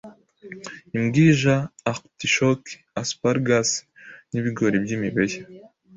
imbwija, artichoke, asparagus n’ibigori by’imibeya